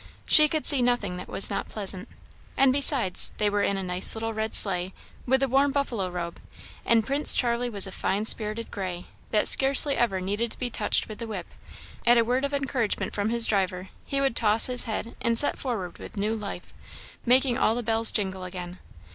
She could see nothing that was not pleasant. And, besides, they were in a nice little red sleigh, with a warm buffalo robe, and Prince Charlie was a fine spirited gray, that scarcely ever needed to be touched with the whip; at a word of encouragement from his driver, he would toss his head and set forward with new life, making all the bells jingle again.